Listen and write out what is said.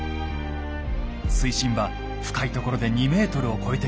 水深は深いところで２ｍを超えています。